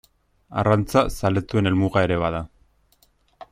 Arrantza zaletuen helmuga ere bada.